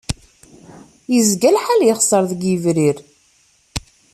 Yezga lḥal yexṣer deg Yebrir?